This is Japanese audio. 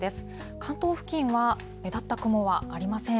関東付近は目立った雲はありません。